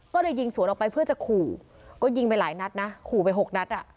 ก็เลยยิงสวนออกไปเพื่อจะขู่ก็ยิงไปหลายนัดนะขู่ไปหกนัดอ่ะ